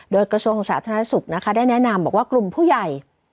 โดยกระทรวงสาธารณสุขนะคะได้แนะนำบอกว่ากลุ่มผู้ใหญ่